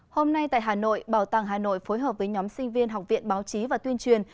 hôm nay tại hà nội bảo tàng hà nội phối hợp với nhóm sinh viên học viện báo chí và tuyên truyền